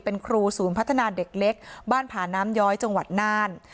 เป็นครูศูนย์พัฒนาเด็กเล็กบ้านผาน้ำย้อยจังหวัดน่าน